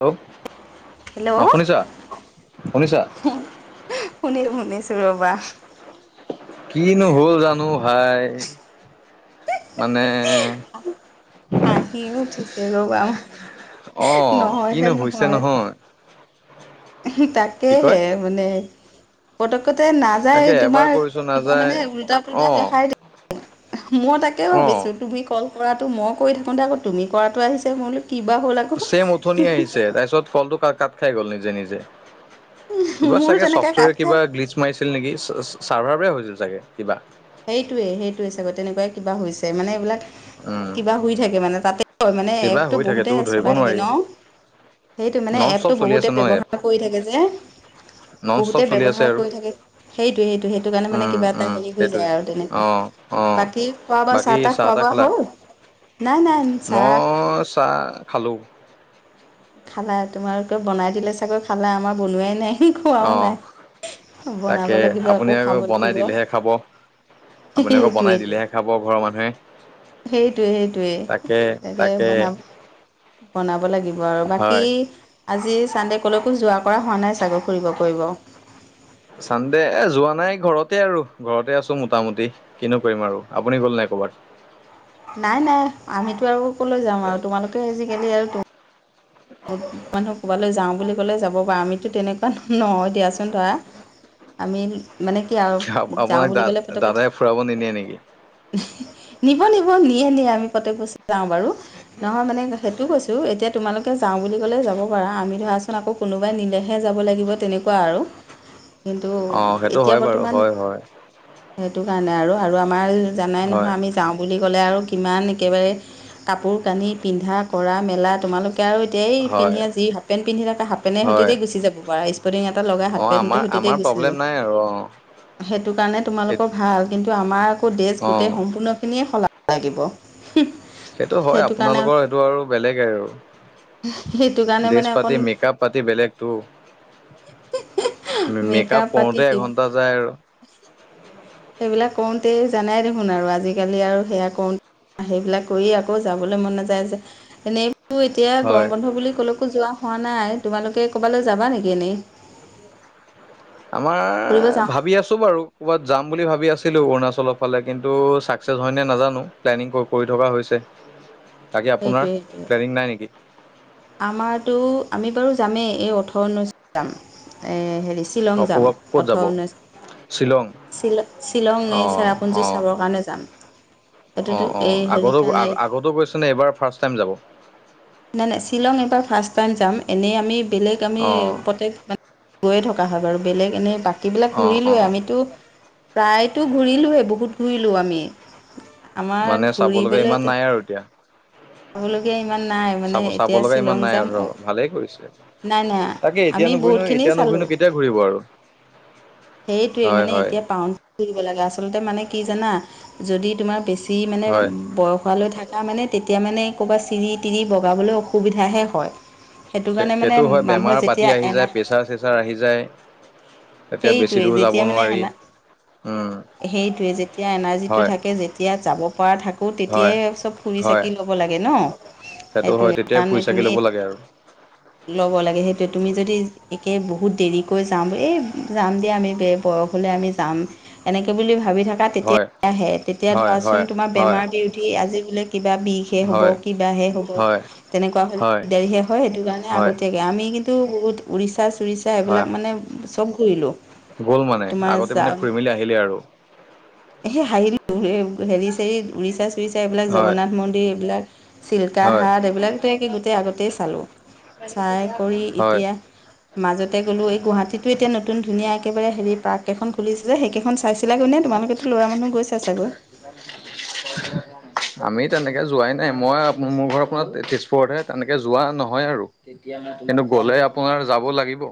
Hello hello অঁ শুনিছা শুনিছা? শুনি শুনিছোঁ ৰবা। কিনো হ'ল জানো ভাই মানে- হাঁহিও উঠিছে ৰবা অ কিনো নহয়হে হৈছে নহয়। সি কি তাকেহে কয় মানে- পতককতে নাযায় তাকে এবাৰ তোমাৰ কৰিছো কিবা নাযায় মানে ওলটা পোলটা অ দেখাই দিয়ে। মই তাকে অ ভাবিছোঁ তুমি কল কৰাটো মই কৰি থাকোতে আকৌ তুমি কৰাটো আহিছে মই বোলো- কিবা হ'ল আকৌ ছেম উঠনি আহিছে তাৰপিছত কলটো ক কাট খাই গল নিজে নিজে। কিবা মোৰো চাগে তেনেকৈ কাট চফ্টৱেৰ খাই কিবা গ্লিচ মাৰিছিল নেকি চাৰ্ভাৰ বেয়া হৈছিল চাগে কিবা? সেইটোৱে সেইটোৱে চাগ তেনেকুৱাই কিবা হৈছে মানে এইবিলাক- উম কিবা শুই থাকে মানে তাতে হয় মানে কিবা এপতো হৈ থাকে তো বহুতে ধৰিব চলাই থাকে নোৱাৰি ন- সেইটো মানে নন ষ্টপ এপটো চলি বহুতে আছে ন এপ ব্যৱহাৰ কৰি থাকে যে- নন ষ্টপ বহুতে চলি আছে ব্যৱহাৰ আৰু কৰি থাকে সেইটোৱে সেইটো সেইটো কাৰণে মানে উম কিবা এটা উম হেৰি- হৈ যায় সেইটোৱে আৰু অ তেনেকুৱা অ বাকী খোৱা-বোৱা বাকী চাহ-তাহ চাহ তাহ খোৱা-বোৱা খালা হ'ল? নাই নান চাহ। মই চাহ খালোঁ। খালা তোমাৰ ক বনাই দিলে চাগৈ খালা আমাৰ বনোৱাই নাই। সি খোৱাও অঁ নাই বনাব তাকে লাগিব আপুনি আকৌ খাব বনাই লাগিব। দিলেহে খাব আপুনি আকৌ বনাই সেইটোৱেইটো দিলেহে খাব ঘৰৰ মানুহে। সেইটোয়ে সেইটোয়ে তাকে বনাব- বনাব লাগিব আৰু হয় বাকী- আজি চানডে ক'লৈকো যোৱা কৰা হোৱা নাই চাগৈ ফুৰিব কৰিব? চান্ডে এ যোৱা নাই ঘৰতে আৰু ঘৰতে আছোঁ মোটামুটি। কিনো কৰিম আৰু আপুনি গ'ল নে ক'ৰবাত? নাই নাই আমিতো আৰু কলৈ যাম আৰু তোমালোকে আজিকালি আৰু টো- বত মানুহ ক'ৰবালৈ যাওঁ বুলি ক'লে যাব পাৰা আমিতো তেনেকুৱা নহয় দিয়াচোন ধৰা। আমি মানে কি আৰু যাওঁ আপোনাক বুলি দা ক'লে ফটকে- দাদাই ফুৰাব নিনিয়ে নেকি নিব নিব নিয়ে নিয়ে আমি পতে পৈছ যাওঁ বাৰু নহয় মানে সেইটো কৈছো এতিয়া তোমালোক যাওঁ বুলি ক'লে যাব পাৰা আমি ধৰাচোন আকৌ কোনোবাই নিলেহে যাব লাগিব তেনেকুৱা আৰু কিন্তু অঁ সেইটো এতিয়া হয় বাৰু বৰ্তমান। হয় হয় সেইটো কাৰণে আৰু আৰু আমাৰ জানাই হয় নহয় আমি যাওঁ বুলি ক'লে আৰু কিমান একেবাৰে কাপোৰ কানি পিন্ধা কৰা মেলা তোমালোক আৰু এয়াই পিন্ধ হয় যি হাফ পেণ্ট পিন্ধি থাক হাফ পেণ্ট হয় হতেদি গুচি যাব পাৰে স্পৰ্টি এটা লগাই হাত অঁ আমাৰ আমাৰ প্ৰব্লেম নাই আৰু অঁ, সেইটো কাৰণে এই তোমালোকৰ ভাল কিন্তু আমাৰ আকৌ ড্ৰেছ অঁ গোটেই সম্পূৰ্ণখিনিয়ে সলাব লাগিব। সেইটো হয় আপোনালোকৰ সেইটো আৰু বেলেগেই আৰু সেইটো কাৰণে ড্ৰেছ মানে অকণ পাতি মেকাপ পাতি বেলেগতটো, মেকআপ মেকাআপ পাতি কৰোতে কিবা এঘন্টা যায় আৰু সেইবিলাক কৰোঁতেই জানাই দেখোন আৰু আজিকালি আৰু সেয়া কৰোঁতে, সেইবিলাক কৰি আকৌ যাবলৈ মন নাযায় যে এনেই, এতিয়া হয়। গৰম বন্ধ বুলি কলৈকো যোৱা হোৱা নাই তোমালোকে ক'বালৈ যাবা নেকি এনেই, আমাৰ ফুৰিব যাওঁ ভাবি আছোঁ বাৰু ক'ৰবাত যাম বুলি ভাবি আছিলোঁ অৰুণাচলৰ ফালে কিন্তু ছাকচেছ হয় নে নাজানো প্লেনিং কৰি থকা হৈছে। বাকী আপোনাৰ সেইটোৱে সেইটোৱে প্লেনিং নাই নেকি। আমাৰতো আমি বাৰু যামেই এই ওথ ওনৈছ যাম এ হেৰিছে। অঁ শ্বিলং যাম ক'ৰবাত ক'ত যাব ওঠৰ ঊনৈছ, শ্বিলং, শ্বিল শ্বিলং চেৰাপুঞ্জী চাবৰ কাৰণে যাম। অ সেইটোতো অ এই হেৰি আগতো কাৰণে আগতো গৈছে নে এইবাৰ ফাৰ্ষ্ট টাইম যাব। নাই নাই শ্বিলং এবাৰ ফাৰ্ষ্ট টাইম যাম এনেই আমি বেলেগ আমি অঁ প্ৰতেক, গৈয়ে থকা হয় বাৰু বেলেগ এনেই বাকীবিলাক অঁ ঘূৰিলোৱেই অঁ আমিতো। প্ৰায়তো ঘূৰিলোঁহে বহুত ঘূৰিলোঁ আমি আমাৰ মানে চাব লগা ঘূৰিবলৈ, ইমান নাই আৰু এতিয়া। পাবলগীয়া ইমান নাই মানে এতিয়া শ্বিলং যাম অ, ভালে কৰিছে। নাই নাই তাকে এতিয়া আমি বহুত নুঘূৰিনো খিনি এতিয়া চালো। নুঘূৰিনো কেতিয়া ঘূৰিব আৰু সেইটোৱে হয় মানে হয় এতিয়া পাওঁ, আচলতে মানে কি জানা যদি তোমাৰ বেছি মানে হয় বয়স সোৱালৈ থাকে। তাৰ মানে তেতিয়া মানে কৰবাত চিৰি তিৰি বগাবলৈ অসুবিধাহে হয় সেইটো কাৰণে। মানে সেইটো হয় মানুহৰ বেমাৰ পাতি যেতিয়া আহি যায় এনাহ প্ৰেছাৰ চেছাৰ আহি যায়। তেতিয়া বেছি সেইটোৱে দূৰ যাব যেতিয়া মানে নোৱাৰি উম এ সেইটোৱে যেতিয়া এনাৰ্জিটো হয় থাকে যে। এতিয়া যাব পৰা থাকে, আকৌ হয় তেতিয়াই চব ফুৰি হয় চাকি ল'ব লাগে ন সেইটো হয় সেইটোৱে তেতিয়াই ফুৰি তামানে চাকি তুমি, ল'ব লাগে আৰু ল'ব লাগে সেইটোৱে তুমি যদি একে বহুত দেৰিকৈ যাম এই যাম দিয়ে আমি ব বয়স হ'লে আমি যাম। এনেকে বুলি ভাবি থাকা তেতিয়া হয় আহে তেতিয়া হয় হয় ধৰাচোন তোমাৰ হয় বেমাৰ বিৰোধী আজি বোলে। কিবা বিষ হে হ'ব হয় কিবাহে হ'ব হয় তেনেকুৱা হ'লে হয় দিগদাৰিহে হয় সেইটো কাৰণে হয় আগতীয়াকে। আমি কিন্তু বহুত উৰিষা চোৰিচা হয় এইবিলাক মানে চব ঘোৰিলো। গ'ল মানে আগতে মানে ফুৰি মেলি আহিলে আৰু সি হাঁহিলো হেৰি উৰি চা উৰিষ্যা এইবিলাক হয় জগন্নাথ মন্দিৰ এইবিলাক চিল্কা হয় হাট এইবিলাক কি গোটেই আগতেই চালো। চাই কৰি হয় এতিয়া মাজতে গ'লো এই গুৱাহাটীতো এতিয়া নতুন ধুনীয়া একেবাৰে হেৰি পাৰ্ক এখন খুলিছিলে সেইকেইখন চা- চাইছিলাগৈ নে তোমালোকেতো ল'ৰা মানুহ গৈছা ছাগৈ [unintelligible] আমি তেনেকে যোৱাই নাই মই মোৰ ঘৰ আপোনাৰ তেজপুৰতহে তেনেকে যোৱা নহয় আৰু। কিন্তু গ'লে আপোনাৰ যাব লাগিব।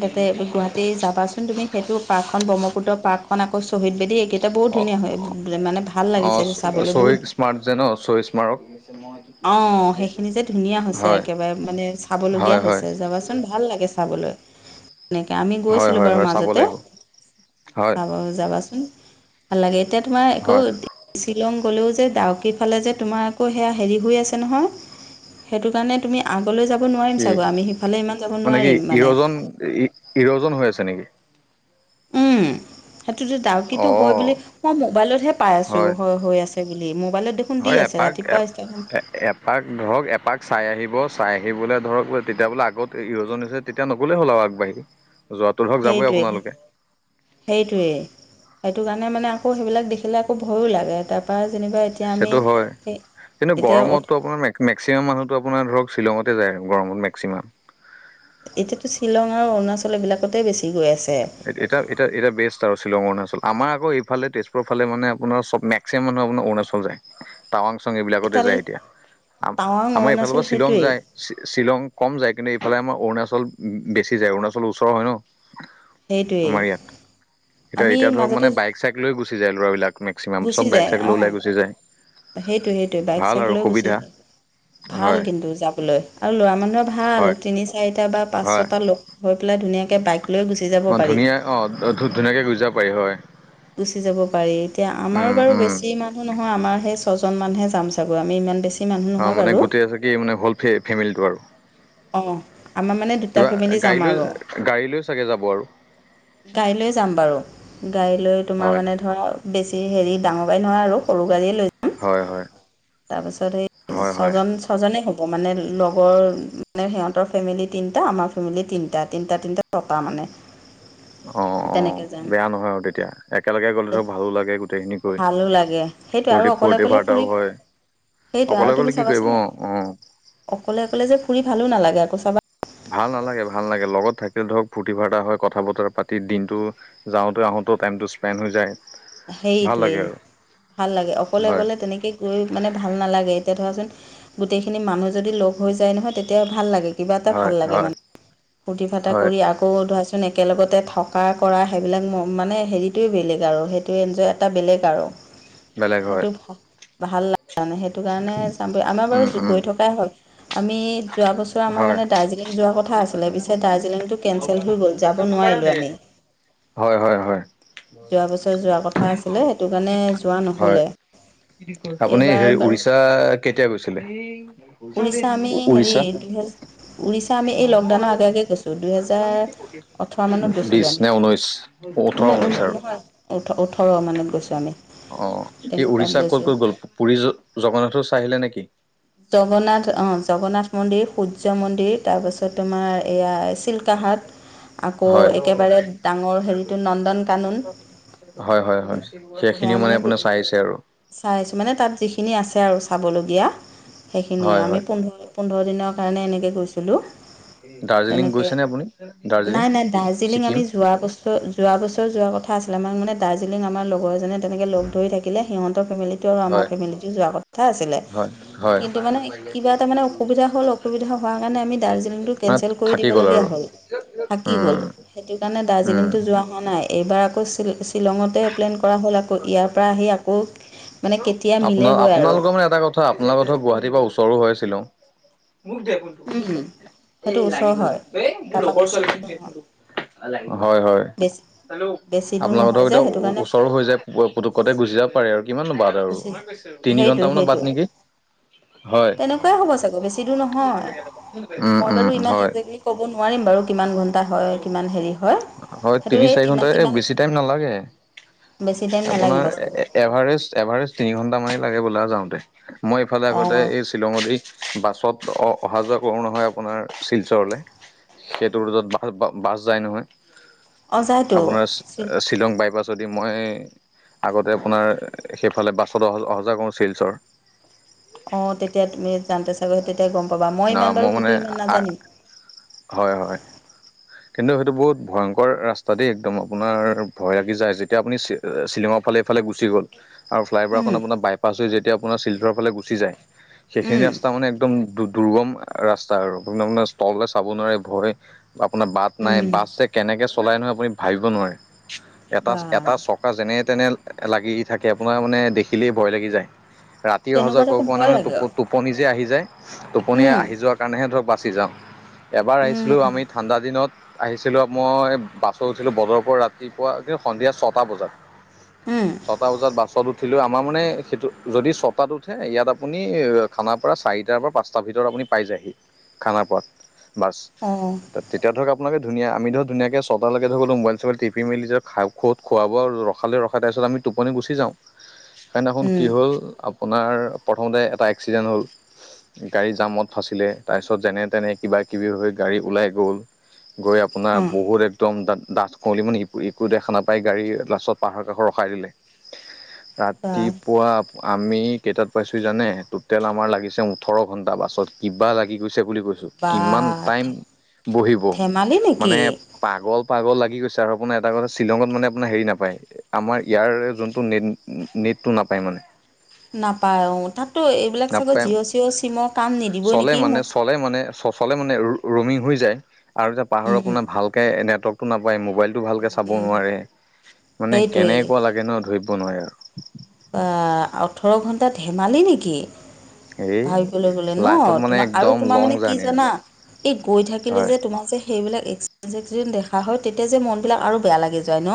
তাতে গুৱাহাটী যাবাচোন তুমি সেইটো পাৰ্কখন ব্ৰহ্মপুত্ৰৰ পাৰ্কখন আকৌ শহীদ বেদী একেই এতিয়া বহুত অ ধুনীয়া হয় মানে ভাল লাগিছে এতিয়া চাবলৈ বহুত- স্মাৰ্ট জেনচ ছ স্মাৰক অ সেইখিনি যে ধুনীয়া হৈছে হয় একেবাৰে মানে হয় চাবলগীয়া হয় হৈছে যাবচো- ভাল লাগে চাবলৈ তেনেকে, আমি হয় গৈছিলোঁ হয় বাৰু হয় চাব মাজতে লাগিব হয় চাব যাবাচোন ভাল লাগে এতিয়া তোমাৰ আকৌ হয় শ্বিলং গ'লেও যে ডাউকি ফালে যে তোমাৰ আকৌ সেয়া হেৰি হৈ আছে নহয় সেইটো কাৰণে তুমি আগলৈ যাব নোৱাৰিম কি চাগৈ আমি সিফালে ইমান যাব নোৱাৰিম মানে। হিৰজন হৈ আছে নেকি? উম সেইটোতো ডাউকিটো হয় অঁ বুলি মই মোবাইলত হে পাই আছো হয় হ হৈ আছে বুলি মোবাইলত দেখো- হয় এপাক এপ এ এপ এপাক ধৰক এপাক চাই আহিব চাই আহিবলে ধৰক ৱে তেতিয়া বোলে আগত এৰিয়জন হৈছে তেতিয়া নগলে হ'ল আৰু আগবাঢ়ি। যোৱাটো ধৰক যাবই সেইটোৱে হে আপোনালোকে সেইটোৱে সেইটো কাৰণে মানে আকৌ সেইবিলাক দেখিলে আকৌ ভয়য়ো লাগে তা- পা যেনিবা এতিয়া সেইটো আমি হয় হে কিন্তু এতিয়া অ- গৰমতো আপোনাৰ মেক্সিমাম মানুহটো আপোনাৰ ধৰক শ্বিলঙতে যায় গৰমত মেক্সিমাম এতিয়াতো শ্বিলং আৰু অৰুণাচল এইবিলাকতে বেছি গৈ আছে। এতিয়া এতিয়া এতিয়া বেষ্ট আৰু শ্বিলং অৰুণাচল আমাৰ আকৌ এইফালে তেজপুৰ ফালে মানে আপোনাৰ চব মেক- ক্সিমাম মানুহে আপোনাৰ অৰুণাচল যায়। টাৱাং চাং এইবিলাকতে তালৈ যায় এতিয়া আ টাৱাং আমাৰ এইফালৰ অৰুণাচল পৰা শ্বিলং সেইটোৱেই যায়। শ্বি শ্বিলং কম যায় কিন্তু এইফালে আমাৰ অৰুণাচল বেছি যায় অৰুণাচলৰ ওচৰ হয় ন আমাৰ সেইটোৱেই ইয়াত এতিয়া আমি এতিয়া ধৰক মাজতে মানে বাইক চাইক লৈ গুচি যায় ল'ৰা বিলাক মেক্সিমাম চব বাইক চাইক লৈ ওলাই গুচি যায়। সেইটোয়ে সেইটোৱে বাইক ভাল চাইক আৰু লৈ গুচি সুবিধা যায় ভাল হয় কিন্তু যাবলৈ। আৰু ল'ৰা মানুহৰ ভাল হয় তিনি চাৰিটা বা পাঁচ হয় ছটা লগ হৈ পেলাই ধুনীয়াকে বাইক লৈ গুচি- যাব অঁ পাৰি ধুনীয়া অঁ ধু ধুনীয়াকৈ গুচি যাব পাৰি হয়। গুচি যাব পাৰি এতিয়া আমাৰ উম বাৰু উম বেছি মানুহ নহয় আমাৰ সে- ছজন মান হে যাম চাগৈ আমি ইমান বেছি মানুহ অঁ নহয় মানে বাৰু গোটেই আছে কি মানে হ'ল ফে ফেমিলিটো আৰু অঁ আমাৰ মানে দুটা কিবা ফেমিলি গাড়ী যাম লৈ আৰু। গাড়ী লৈ চাগে যাব আৰু। গাড়ী লৈ যাম বাৰু গাড়ী লৈ তোমাৰ হয় মানে ধৰ আও বেছি হেৰি ডাঙৰ গাড়ী নহয় সৰু গাড়ীয়ে লৈ হয় হয় তাৰ পিছত সেই হয় হয় ছজন ছ ছজনে হ'ব মানে লগৰ মানে সিহঁতৰ ফেমিলি তিনিটা আমাৰ ফেমিলি তিনিটা তিনিটা তিনিটা ছটা মানে [unintelligible] অ অ তেনেকৈ যাম বেয়া নহয় আৰু তেতিয়া একেলগে গ'লে ধৰক ভালো লাগে গোটেইখিনি গৈ এ সেইটো আৰু ফূৰ্তি অকলে ফূৰ্তি অকলে ফাৰ্তাও ফুৰি হয় সেইটোৱে অকলে আৰু অকলে তুমি কি কৰিব চাবাচোন ন অঁ অঁ অকলে অকলে যে ফুৰি ভালো নালাগে আকৌ চাবা ভাল নালাগে ভাল নালাগে লগত থাকিলে ধৰক ফূৰ্তি ফাৰ্তা হয় কথা বতৰা পাতি দিনটো যাওতে আহোতেও টাইমটো স্পেণ্ড হৈ যায় ভাল সেইটোৱে লাগে আৰু ভাল লাগে অকলে হয় অকলে তেনেকে গৈ মানে ভাল নালাগে এতিয়া ধৰা চোন গোটেইখিনি মানুহ যদি লগ হৈ যায় নহয় তেতিয়া ভাল লাগে কিবা এটা হয় ভাল লাগে হয় মানে ফূৰ্তি ফাৰ্তা হয় কৰি আ কৌ ধৰাচোন একেলগতে থকা কৰা সেইবিলাক মানে হেৰিটোৱে বেলেগ আৰু সেই সেইটো এনজয় এটা বেলেগ আৰু [unintelligible] হয় সেইটো ভাল লাগে সেইটো কাৰণে চাম আমাৰ বাৰু উম উম গৈ থকাই হল আমি যোৱা বছৰ আমাৰ হয় মানে দাৰ্জিলিং যোৱা কথা আছে পিছে দাৰ্জিলিংটো কেঞ্চেল হৈ গ'ল যাব নোৱাৰিলো আমি হয় হয় হয় যোৱা বছৰ যোৱা কথা আছিলে সেইটো কাৰণে যোৱা হয় নহ'লে আপুনি এইবাৰ হেৰি বাৰু উৰিষ্যা কেতিয়া উৰিষ্যা আমি গৈছিলে হেৰি উৰিষ্যা দুহেজাৰ উৰিষ্যা এই আমি নহয় লকডাউনৰ অ আগে আগে গৈছোঁ পাগলামি দুহেজাৰ কিয় কৰি আছ ওঠৰ মানত নো গৈছিলোঁ বিশ আমি নে ঊনৈছ? ঊন ওঠৰ ঊন ঊনৈছ আ নহয়, ওঠ ওঠৰ মানত গৈছো অ কি উৰিষা ক'ত ক'ত গ'ল? পুৰী জ জগন্নাথও চাই আহিলে নেকি? জগন্নাথ অ জগন্নাথ মন্দিৰ সূৰ্য মন্দিৰ তাৰপাছত তোমাৰ এইয়া চিলকাহাট হয় হেৰিটো নন্দন কানন হয় হয় হয়। সেইখিনিও মানে আপোনাৰ চাইছে আৰু? চাইছো মানে তাত যিখিনি আছে আৰু চাবলগীয়া। সেইখিনিয়ে হয় আমি হয় পোন্ধৰ পোন্ধৰ দিনৰ কাৰণে এনেকে গৈছিলো। দাৰ্জিলিং তেনেকে গৈছেনে আপুনি দাৰ্জিলিং নাই-নাই দাৰ্জিলিং ছিকিম আমি যোৱা বছ ৰ যোৱা বছৰ যোৱা কথা আছিলে আমাক মানে দাৰ্জিলিং আমাৰ লগৰ এজনে তেনেকে লগ ধৰি থাকিলে সিহতৰ ফেমিলি তো হয় আমাৰ ফেমিলিতো যোৱা কথা আছিলে হয় হয় কিন্তু মানে কিবা এটা মানে অসুবিধা হ'ল অসুবিধা হোৱাৰ কাৰণে আমি দাৰ্জিলিংটো মানে কেঞ্চেল কৰি থাকি গ'ল দিবলগীয়া আৰু হ'ল। থাকি উম গ'ল সেইটো কাৰণে উম দাৰ্জিলিংটো যোৱা হোৱা নাই। এইবাৰ আকৌ শ্বি শ্বিলঙতে প্লেন কৰা হ'ল আকৌ ইয়াৰ পৰা আহি আকৌ মানে কেতিয়া মিলেগৈ আৰু ত আপোনালোকৰ ধৰ গুৱাহাটীৰ পৰা ওচৰো হৈ শ্বিলং। মোক দে ফোন এই সেইটো লাগি ওচৰ গল হয় লাগি এ মোৰ তাৰপৰা লগৰ বেছি ছোৱালী দে ফোনটো অ লাগি গল হয় হয়। বেছি বেছি দূৰ আপোনালোকৰ নহয় ধৰক যে এতিয়া সেইটো কাৰণে ওচৰ হৈ যায় পুতুকতে গুচি যাব পাৰে আৰু কিমাননো বা গুচি তিনি ঘন্টা সেইটোৱে মানৰ বাট সেইটোৱে নেকি? হয় তেনেকুৱাই হ'ব চাগৈ বেছি দূৰ নহয় উম মই বাৰু উম ইমান হয়। একজেক্টলি ক'ব নোৱাৰিম বাৰু কিমান ঘণ্টা হয় কিমান হেৰি হয়! হয় সেইটো তিনি এই চাৰি কিমান ঘণ্টাই কিমান বেছি টাইম নালাগে। বেছি টাইম নালাগিব আপোনাৰ এ চাগৈ এ এভাৰেজ এভাৰেজ তিনি ঘন্টা মানে লাগে বোলা যাওঁতে। মই এইফালে অঁ আগতে এই শ্বিলঙদি বাছত অ অহা যোৱা কৰো নহয় আপোনাৰ শিলচৰলৈ। সেইটো ৰোটত বাছ বাছ যায় নহয় অঁ যায়তো আপোনাৰ চিল শ্বিলং বাইপাছদি মই আগতে আপোনাৰ সেইফালে বাছত অহা অহা যোৱা কৰোঁ শিলচৰ অ তেতিয়া তুমি যানতে চাগৈ তেতিয়া গম পাবা মই ইমান বাৰু সেইটো ইমান নাজানিম। হয় হয়। কিন্তু সেইটো বহুত ভয়ংকৰ ৰাস্তা দেই, একদম আপোনাৰ ভয় লাগি যায়, যেতিয়া আপুনি চি- শ্বিলঙৰ ফালে এইফালে গুচি গ'ল আৰু ফ্লাইঅভাৰখন উম আপোনাৰ বাইপাছ হৈ যেত- তিয়া আপোনাৰ শ্বিলচৰ ফালে গুচি যায় সেইখিনি উম ৰাস্তা মানে একদম দু- দুৰ্গম ৰাস্তা আৰু [unintelligible] তললে চাব নোৱাৰে ভয় আপোনাৰ বাট নাই উম বাছ যে কেনেকৈ চলাই নহয় আপুনি ভাবিব নোৱাৰে। এটা বা এটা চক- যেনে তেনে লাগি থাকে আপোনাৰ মানে দেখিলেই ভয় লাগি যায়। ৰাত- তি অহা যোৱা তেনেকুৱাত কৰোঁ আকৌ কাৰণে ভয় মানে লাগে টো টোপনি যে আহি যায় টোপনি উম আহি য- যোৱাৰ কাৰণেহে ধৰক বাচি যাওঁ এবাৰ আহিছিলোঁ উম আমি ঠাণ্ডা দিনত। আহিছিলো মই বাছত উঠিলো বজপৰ ৰাতিপুৱা কিন্তু সন্ধিয়া ছটা বজাত। হুম। ছটা বজাত বাছত উঠিলো। আমাৰ মানে সেইটো যদি ছটাত উঠে ইয়াত আপুনি খানাৰ পৰা চাৰিটাৰ পৰা পাঁচ তাৰ ভিতৰত আপুনি পাই যায়হি। খানাপাৰাত বাছ। অ। তেতিয়া ধৰক আপোনালোক ধুনীয়া আমি ধুনীয়াকে ছটালে ধো গলোং মোবাইল চুবাইল টিপি মেলি খাই খোজ খোৱা বোৱা ৰখালে ৰখা তাছত আমি টোপনি গুচি যাওঁ। সেইদিনাখন উম কি হ'ল আপোনাৰ প্ৰথমতে এটা এক্সিডেণ্ট হ'ল। গাড়ী জামত ফাচিলে তাইছত যেনে তেনে কিবা কিবি হৈ গাড়ী ওলাই গ'ল। গৈ আপ- পোনাৰ অঁ বহুত ৰাত- একদম ডাঠ কুৱলি মানে একো দেখা নাপায় গাড়ী লাষ্টত পাহাৰ কাষত ৰখাই দিলে। বা ৰাতিপুৱা আমি কেইটাত পাইছোঁ জানে টোটেল আমাৰ লাগিছে ও- ওঠৰ ঘণ্টা বাছত কিবা লাগি গৈছে বুলি কৈছোঁ। বা কিমান টাইম বহিব ধেমালি নেকি মানে পাগল পাগল লাগি গৈছে আৰু আপোনাৰ এটা কথা শ্বিলঙত মানে আপোনাৰ হেৰি নাপায়। আমাৰ ইয়াৰে যোনটো নেট নেটটো নাপায় মানে। নাপায় অ তাততো এইবিলাক চাগৈ নাপায় জিঅ' চিঅ' চিমৰ কাম নিদিবই নেকি মোৰ পলে মানে চ- চলে মানে ৰোমিং হৈ যায় আৰু এতিয়া পাহাৰ উম আপোনাৰ ভালকে নেটৱৰ্কতটো নাপায় মোবাইল ভালকে চাব উম নোৱাৰে মানে সেইটোৱেই কেনেকুৱা লাগে ন ধৰিব নোৱাৰে আৰ। বা ওঠৰ ঘণ্টাত ধেমালি নেকি। আৰু এই ভাবিবলৈ গলে ন লাইফত মানে তোমাৰ আৰু একদম তোমাৰ লং মানে কি জাৰ্ণি আৰু জানা এই গৈ থাকিলে হয় যে তোমাৰ যে সেইবিলাক [unintelligible] দেখা হয় তেতিয়া যে মন বিলাক আৰু বেয়া লাগি যায় ন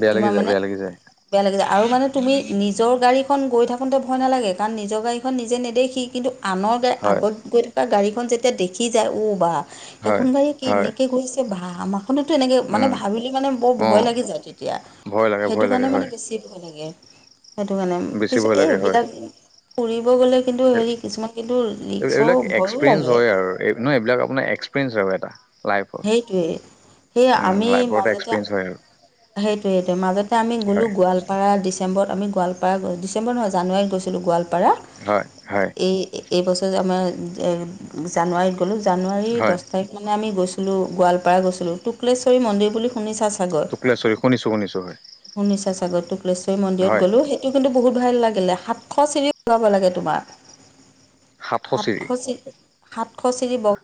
বেয়া লাগি তোমাৰ যায় মানে বেয়া লাগি যায় বেয়া লাগিছে আৰু মানে তুমি নিজৰ গাড়ীখন গৈ থাকোঁতে ভয় নালাগে কাৰণ নিজৰ গাড়ীখন নিজে নেদেখি কিন্তু আনৰ গাড়ী হয় আগত গৈ থকা গাড়ীখন যেতিয়া দেখি যায় অ বা হয় সেইখন গাড়ীয়ে কি হয় এনেকে গৈছ- কে ভা ম ফোনতো এনেকে মানে উম ভাবিলে মানে বৰ অ ভয় লাগি যায় তেতিয়া ভয় লাগে সেইটো ভয় লাগে কাৰণে মানে হয় বেছি ভয় লাগে। সেইটো কাৰণে বেছি কিছু ভয় এই লাগে হয় বিলাক ফুৰিব গ'লে কিন্তু হেৰি কিছুমান কিন্তু ৰিক্সৰ ভয়ো লাগে। এই নহয় এইবিলাক আপোন এক্সপেৰিয়েঞ্চ আৰু এটা। লাইফৰ সেইটোৱে সেই আমি লাইফৰ এটা মাজতে এক্সপিৰিয়েঞ্চ হয় আৰু সেইটো-সেইটো মাজতে আমি গলো হয় গোৱাল পাৰা ডিচেম্বৰত আমি গোৱালপাৰা ডিচেম্বৰ নহয় জানুৱাৰীত গৈছিলোঁ গোৱালপাৰা। হয়, হয়। এই, এই বছৰ আমাৰ এ জানুৱাৰীত গ'লো, জানুৱাৰী হয় দহ তাৰিখ মানে আমি গৈছো। লো গোৱালপাৰা গৈছিলোঁ, টুক্ৰেশ্বৰী মন্দিৰ বুলি শুনিছা ছাগৈ। টুক্ৰেশ্বৰী শুনিছো-শুনিছো হয়। শুনিছা চাগত টুক্ৰেশ্বৰী মন্দিৰত হয় গ'লো হে টো কিন্তু বহুত ভাল লাগিলে, সাতশ চিৰি বগাব লাগে তোমাৰ। সাতশ চি সাতশ চিৰি ব